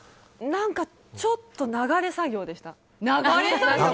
何かちょっと流れ作業でした。